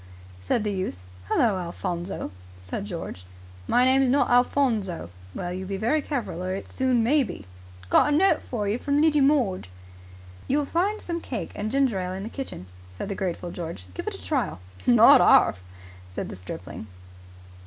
said the youth. "Hullo, Alphonso!" said George. "My name's not Alphonso." "Well, you be very careful or it soon may be." "Got a note for yer. From Lidy Mord." "You'll find some cake and ginger ale in the kitchen," said the grateful George. "Give it a trial." "Not 'arf!" said the stripling.